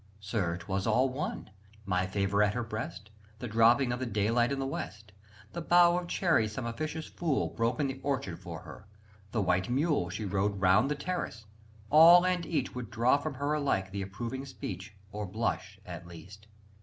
Sir, 'twas all one! My favour at her breast, The dropping of the daylight in the West, The bough of cherries some officious fool Broke in the orchard for her, the white mule She rode with round the terrace all and each Would draw from her alike the approving speech, Or blush, at least.